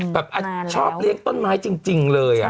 แบบชอบเลี้ยงต้นไม้จริงเลย